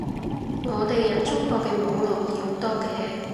我哋入中國嘅網絡易好多嘅